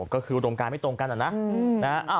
ก็คือตรงการไม่ตรงกันอะนะ